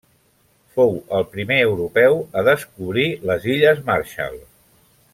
Fou el primer europeu a descobrir les illes Marshall.